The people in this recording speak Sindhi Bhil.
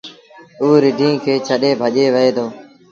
اوٚ رڍينٚ کي ڇڏي ڀڄي وهي دو۔